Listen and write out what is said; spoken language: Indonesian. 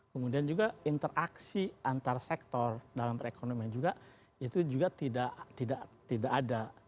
kemudian juga interaksi antar sektor dalam perekonomian juga itu juga tidak ada